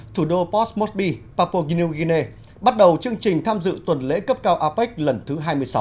thủ đô post mosby papua new guinea bắt đầu chương trình tham dự tuần lễ cấp cao apec lần thứ hai mươi sáu